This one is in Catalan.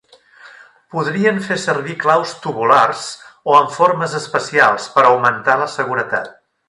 Podrien fer servir claus tubulars o amb formes especials per augmentar la seguretat.